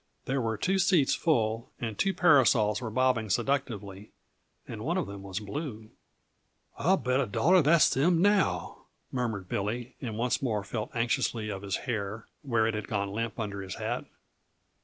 There were two seats full, and two parasols were bobbing seductively, and one of them was blue. "I'll bet a dollar that's them now," murmured Billy, and once more felt anxiously of his hair where it had gone limp under his hat.